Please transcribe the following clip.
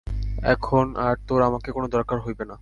এখন আর তোর আমাকে কোনো দরকার হইবে না।